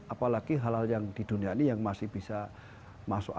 apalagi hal hal yang di dunia ini yang masih bisa masuk ak